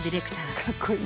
かっこいい。